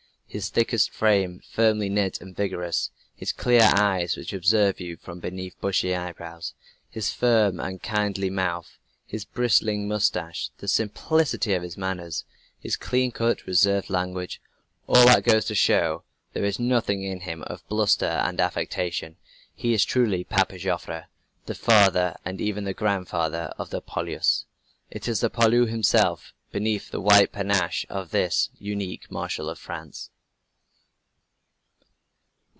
His thickset frame, firmly knit and vigorous, his clear eyes, which observe you from beneath bushy eyebrows, his firm and kindly mouth, his bristling mustache, the simplicity of his manners, his clean cut, reserved language, all that goes to show that there is nothing in him of bluster and affectation. He is truly 'Papa Joffre,' the father and even the grandfather of the poilus. It is the poilu himself beneath the white panache of this unique Marshal of France."